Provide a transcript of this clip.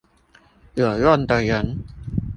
有用的人